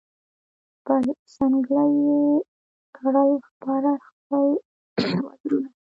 پر ځنګله یې کړل خپاره خپل وزرونه